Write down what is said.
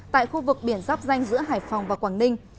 tại khu vực biển giáp danh giữa hải phòng và quảng ninh